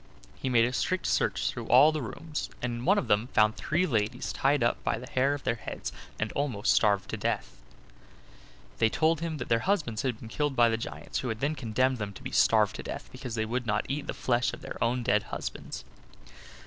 He made a strict search through all the rooms, and in one of them found three ladies tied up by the hair of their heads, and almost starved to death. They told him that their husbands had been killed by the giants, who had then condemned them to be starved to death because they would not eat the flesh of their own dead husbands.